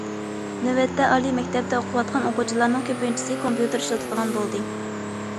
نۆۋەتتە ئالىي مەكتەپتە ئوقۇۋاتقان ئوقۇغۇچىلارنىڭ كۆپىنچىسى كومپيۇتېر ئىشلىتىدىغان بولدى.